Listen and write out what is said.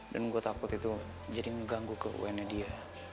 gue takut itu jadi mengganggu ke un nya dia